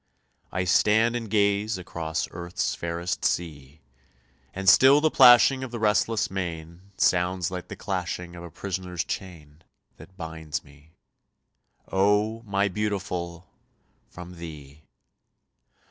I stand and gaze across Earth's fairest sea, And still the plashing of the restless main, Sounds like the clashing of a prisoner's chain, That binds me, oh! my Beautiful, from thee.